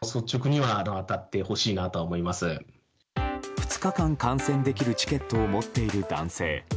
２日間観戦できるチケットを持っている男性。